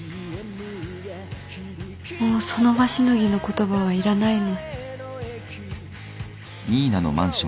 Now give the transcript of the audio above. もうその場しのぎの言葉はいらないの。